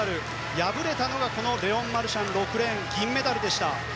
敗れたのがレオン・マルシャン、６レーン銀メダルでした。